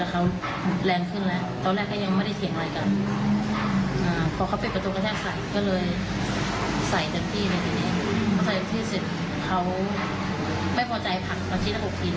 ชิ้นชิ้นให้ดูด้วยนะชิ้นหน้าออกตรงที่ว่ารอยบีบของมันจะเป็นคุณ